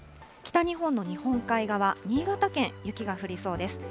北日本の日本海側、新潟県、雪が降りそうです。